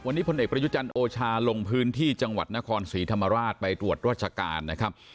วันนี้พลเอกประยุจันทร์โอชาลงพื้นที่จังหวัดนครศรีธรรมราชไปตรวจราชการนะครับ